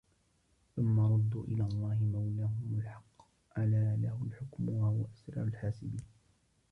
ثُمَّ رُدُّوا إِلَى اللَّهِ مَوْلَاهُمُ الْحَقِّ أَلَا لَهُ الْحُكْمُ وَهُوَ أَسْرَعُ الْحَاسِبِينَ